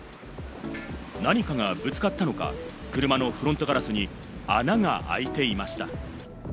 何かがぶつかったのか、車のフロントガラスに穴があいていました。